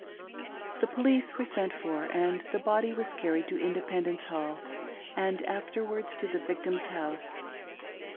The police were sent for, and the body was carried to Independence Hall, and afterwards to the victim's house.